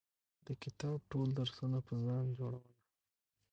د کتاب ټول درسونه په ځان جوړونه